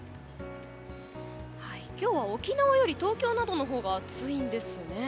今日は沖縄などより東京のほうが暑いんですね。